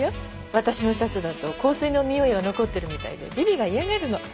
私のシャツだと香水のにおいが残ってるみたいでビビが嫌がるの。